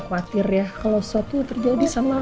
khawatir ya kalo sesuatu terjadi sama